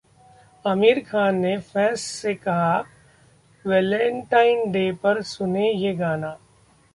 आमिर खान ने फैंस से कहा- वेलेंटाइन डे पर सुनें ये गाना